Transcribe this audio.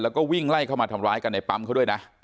แล้วก็วิ่งไล่เข้ามาทำร้ายกันในปั๊มเขาด้วยนะ